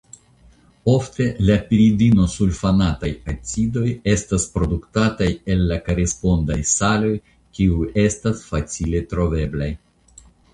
Ofte la piridinosulfonataj acidoj estas produktataj el la korespondaj saloj kiuj estas facile troveblaj.